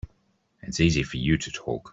It's easy for you to talk.